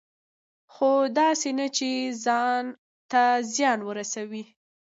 خو داسې نه چې ځان ته زیان ورسوي.